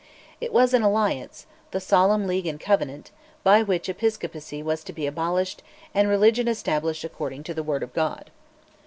It was an alliance, "The Solemn League and Covenant," by which Episcopacy was to be abolished and religion established "according to the Word of God."